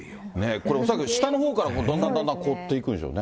これ、恐らく下のほうからどんどんどんどん凍っていくんでしょうね。